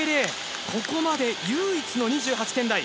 ここまで唯一の２８点台。